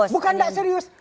bukan gak serius